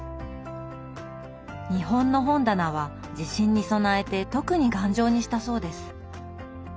日本の本棚は地震に備えて特に頑丈にしたそうです。